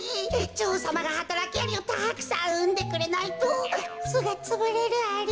じょおうさまがはたらきアリをたくさんうんでくれないとすがつぶれるアリ。